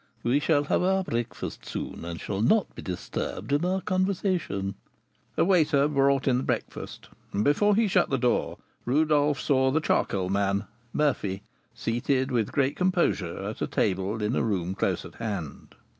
We shall have our breakfast soon, and shall not be disturbed in our conversation." A waiter brought in the breakfast, and before he shut the door Rodolph saw the charcoal man, Murphy, seated with great composure at a table in a room close at hand.